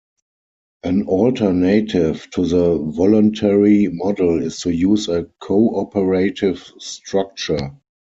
An alternative to the voluntary model is to use a co-operative structure.